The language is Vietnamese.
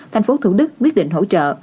thành phố thủ đức biết định hỗ trợ